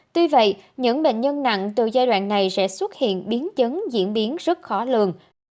tuy vậy những bệnh nhân nặng từ giai đoạn này sẽ xuất hiện biến chứng diễn biến rất khó lường